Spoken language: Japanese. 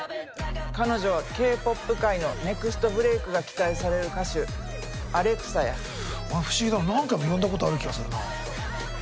彼女はＫ−ＰＯＰ界のネクストブレークが期待される歌手不思議だな何回も呼んだことある気がするな。